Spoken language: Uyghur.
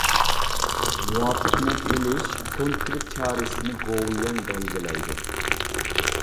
مۇۋاپىق نەپ ئېلىش كونكرېت چارىسىنى گوۋۇيۈەن بەلگىلەيدۇ.